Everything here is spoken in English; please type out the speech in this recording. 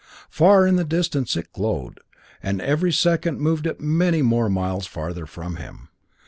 Far in the distance it glowed, and every second moved it many more miles farther from him.